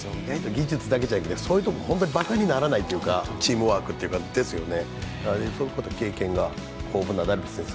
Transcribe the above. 技術だけじゃなくてそういうところがばかにならないチームワークですよね。